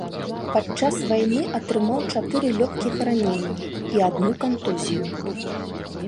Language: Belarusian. Падчас вайны атрымаў чатыры лёгкіх ранення і адну кантузію.